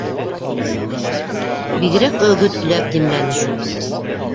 Бигерәк өгөтләп димләне шул.